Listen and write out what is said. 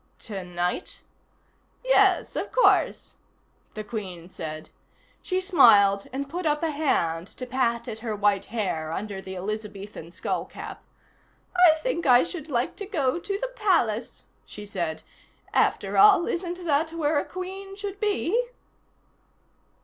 "Tonight?" "Yes, of course," the Queen said. She smiled, and put up a hand to pat at her white hair under the Elizabethan skullcap. "I think I should like to go to the Palace," she said. "After all, isn't that where a Queen should be?"